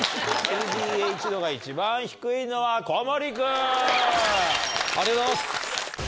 ＬＤＨ度が一番低いのは、小森君。